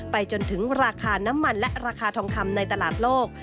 จนถึงราคาน้ำมันและราคาทองคำในตลาดโลก